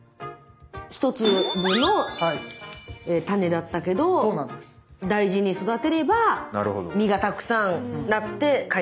１粒の種だったけど大事に育てれば実がたくさんなって返ってくると。